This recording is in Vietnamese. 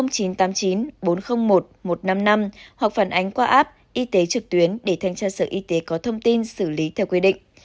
điện thoại phản ánh qua app y tế trực tuyến để thanh tra sở y tế có thông tin xử lý theo quy định